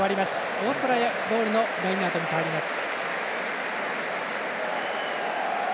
オーストラリアボールのラインアウトに変わります。